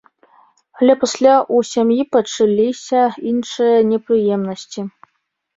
Але пасля ў сям'і пачаліся іншыя непрыемнасці.